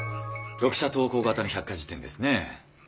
読者投稿型の百科事典ですね。